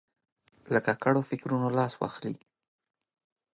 له ککړو فکرونو لاس واخلي.